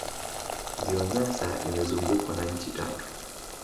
ziwa nyasa limezungukwa na nchi tatu